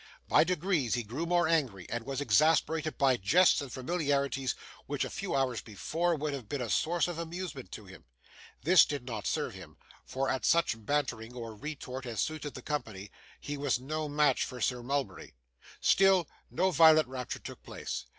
By degrees, he grew more angry, and was exasperated by jests and familiarities which, a few hours before, would have been a source of amusement to him. This did not serve him; for, at such bantering or retort as suited the company, he was no match for Sir Mulberry. Still, no violent rupture took place.